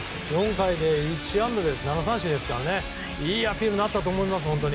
４回で１安打７三振ですからいいアピールになったと思います。